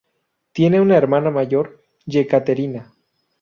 Tiene una hermana mayor, Yekaterina.